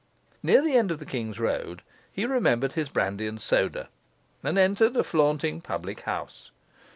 Near the end of the King's Road he remembered his brandy and soda, and entered a flaunting public house.